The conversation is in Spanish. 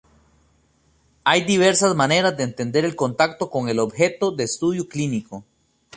Hay diversas maneras de entender el contacto con el objeto de estudio clínico.